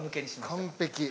完璧！